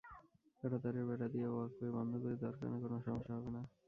কাঁটাতারের বেড়া দিয়ে ওয়াকওয়ে বন্ধ করে দেওয়ার কারণে কোনো সমস্যা হবে না।